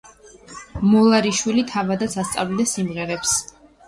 მოლარიშვილი თავადაც ასწავლიდა სიმღერებს.